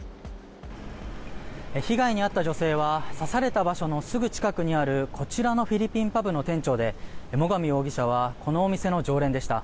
被害に遭った女性は刺された場所のすぐ近くにあるこちらのフィリピンパブの店長で最上容疑者はこのお店の常連でした。